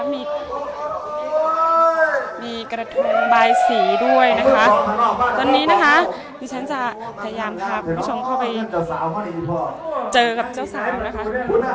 มีกระทงบายสีด้วยนะคะตอนนี้ถ้าพลวงประหว่างพี่ชั้นจะพยายามชมเข้าไปเจอกับเจ้าสาวนะคะ